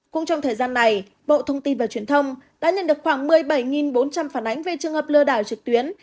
cũng trong thời gian này bộ thông tin và truyền thông đã nhận được khoảng một mươi bảy bốn trăm linh phản ánh về trường hợp lừa đảo trực tuyến